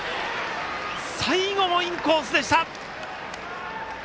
最後もインコースでした。